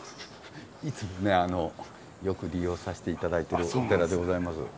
いつもねよく利用させていただいてるお寺でございます。